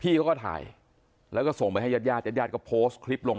เขาก็ถ่ายแล้วก็ส่งไปให้ญาติญาติก็โพสต์คลิปลง